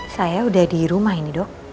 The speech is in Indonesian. saya udah di rumah ini dok